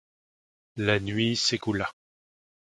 La nuit s’écoula